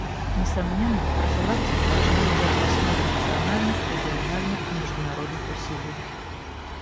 Несомненно, профилактика должна лежать в основе национальных, региональных и международных усилий.